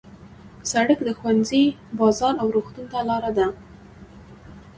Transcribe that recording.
سړک د ښوونځي، بازار او روغتون ته لاره ده.